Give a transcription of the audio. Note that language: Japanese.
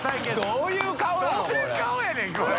どういう顔やねんこれ。